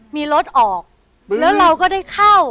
มีรถออกแล้วเราก็ได้เข้า